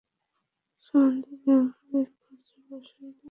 সান্থানামের gang এর খুচরা ব্যবসায়ী।